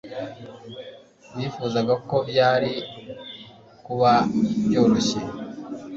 nifuzaga ko byari kuba byoroshye